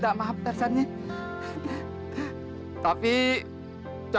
tidak ada masalah bgt tarzan sudah kecewa